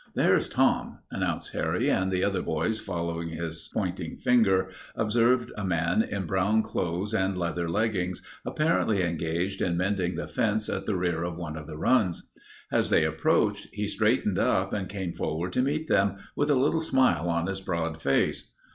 "There's Tom," announced Harry, and the other boys, following his pointing finger, observed a man in brown clothes and leather leggings apparently engaged in mending the fence at the rear of one of the runs. As they approached he straightened up and came forward to meet them, with a little smile on his broad face.